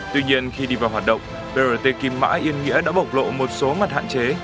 tuy nhiên khi đi vào hoạt động brt kim mã yên nghĩa đã bộc lộ một số mặt hạn chế